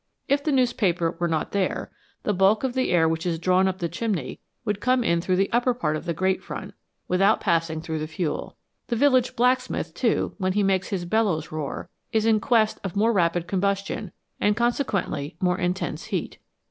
If the newspaper were not there, the bulk of the air which is drawn up the chimney would come in through the upper part of the grate front, without passing through the fuel. The village blacksmith, too, when he makes his bellows roar, is in quest of more rapid combustion, and consequently more intense heat.